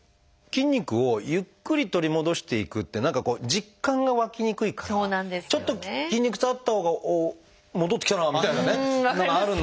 筋肉をゆっくり取り戻していくって何かこう実感が湧きにくいからちょっと筋肉痛あったほうが戻ってきたなあみたいなね分かります。